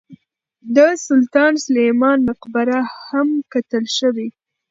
د سلطان سلیمان مقبره هم کتل شوې.